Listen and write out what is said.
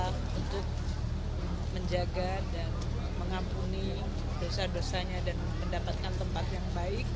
untuk menjaga dan mengampuni dosa dosanya dan mendapatkan tempat yang baik